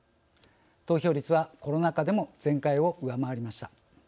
投票率はコロナ禍でも前回を上回りました。